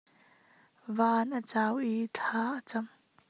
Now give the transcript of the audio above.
Van a cau i thla a cam.